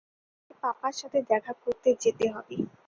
আমাকে পাপার সাথে দেখা করতে যেতে হবে।